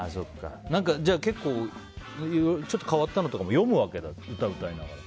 じゃあ、結構変わったのとかも読むわけだ、歌、歌いながら。